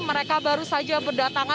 mereka baru saja berdatangan